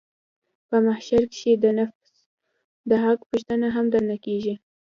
په محشر کښې د نفس د حق پوښتنه هم درنه کېږي.